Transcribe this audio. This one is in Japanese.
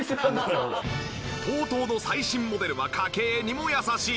ＴＯＴＯの最新モデルは家計にも優しい。